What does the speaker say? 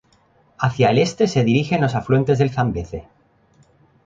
Hacia el este se dirigen los afluentes del Zambeze.